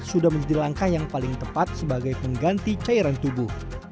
sudah menjadi langkah yang paling tepat sebagai pengganti cairan tubuh